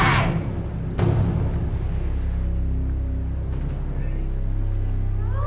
ไม่ได้